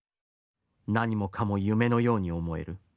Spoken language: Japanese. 何もかも夢のように思える。